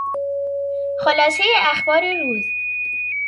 خلاصهی اخبار روز